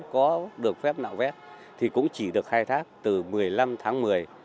có được phép nạo vét thì cũng chỉ được khai thác từ một mươi năm tháng một mươi